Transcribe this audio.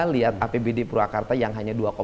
lihat apbd purwakarta yang hanya